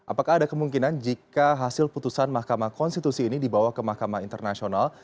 apakah ada kemungkinan jika hasil putusan mahkamah konstitusi ini dibawa ke mahkamah internasional